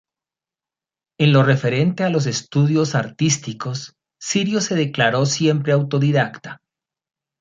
En lo referente a los estudios artísticos, Sirio se declaró siempre autodidacta.